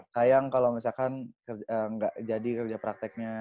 sayang kalau misalkan nggak jadi kerja prakteknya